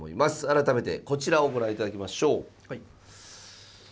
改めてこちらをご覧いただきましょう。